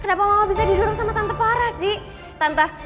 kenapa mama bisa didorong sama tante parah sih